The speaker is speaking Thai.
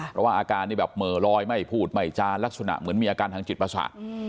เพราะว่าอาการนี่แบบเหม่อลอยไม่พูดไม่จานลักษณะเหมือนมีอาการทางจิตประสาท